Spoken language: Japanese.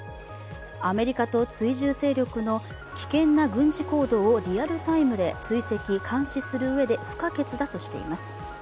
アメリカと追従勢力の危険な軍事行動をリアルタイムで追跡・監視するうえで不可欠だとしています。